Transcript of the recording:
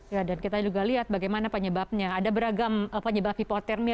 ya dan kita juga lihat bagaimana penyebabnya ada beragam penyebab hipotermia